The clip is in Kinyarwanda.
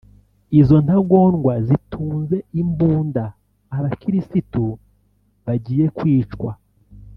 Izo ntagondwa zitunze imbunda abakirisitu bagiye kwicwa